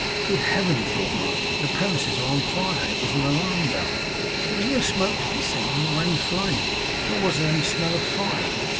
'Good Heaven!' thought Martin. 'The premises are on fire! It was an alarm bell!' But there was no smoke to be seen, nor any flame, nor was there any smell of fire.